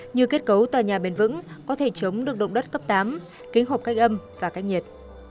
như kết cấu tòa nhà bền vững có thể chống được động đất cấp tám kính hộp cách âm và cách nhiệt